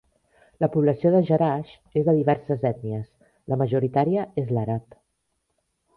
La població de Jerash és de diverses ètnies, la majoritària és l'àrab.